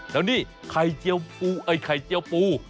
แล้วนี่ไข่เจียวปู